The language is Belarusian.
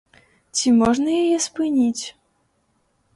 Ці можна яе спыніць?